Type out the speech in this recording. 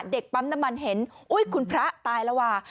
เด็กปั๊มน้ำมันเห็นอุ๊ยคุณพระตายแล้วว่า